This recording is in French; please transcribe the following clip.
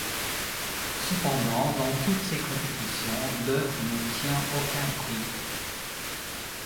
Cependant, dans toutes ces compétitions, l'œuvre n'obtient aucun prix.